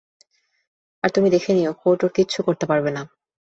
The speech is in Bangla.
আর তুমি দেখে নিও, কোর্ট ওর কিচ্ছু করতে পারবে না।